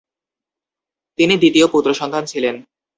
তিনি দ্বিতীয় পুত্র সন্তান ছিলেন।